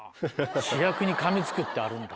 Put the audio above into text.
主役にかみつくってあるんだ。